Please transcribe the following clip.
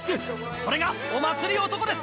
それがお祭り男です！